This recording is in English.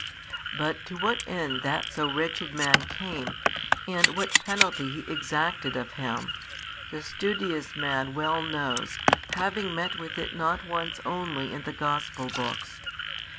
But to what end that so wretched man came, and what penalty He exacted of him, the studious man well knows having met with it not once only in the Gospel books.